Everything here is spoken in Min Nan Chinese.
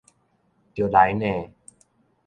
著來呢！